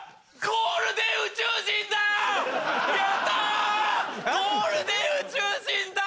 ゴールデン宇宙人だ！